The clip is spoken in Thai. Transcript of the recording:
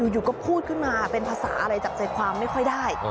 อยู่ก็พูดขึ้นมาเป็นภาษาอะไรจับใจความไม่ค่อยได้